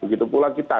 begitu pula kita